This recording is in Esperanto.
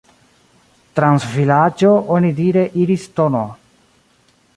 Trans vilaĝo onidire iris tn.